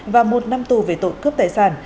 và một năm tù về tội cướp tài sản